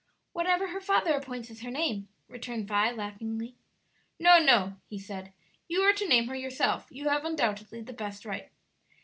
"Whatever her father appoints as her name," returned Vi, laughingly. "No, no," he said; "you are to name her yourself; you have undoubtedly the best right."